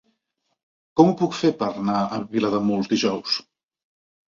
Com ho puc fer per anar a Vilademuls dijous?